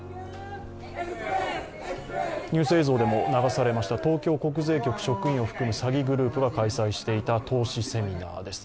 ニュース映像でも流されました東京国税局職員を含む詐欺グループが開催していた投資セミナーです。